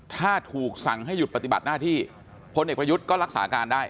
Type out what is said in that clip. ถ้าถูกสั่งให้หยุดปฏิบัติหน้าที่พลเอกประยุทธ์ก็รักษาการได้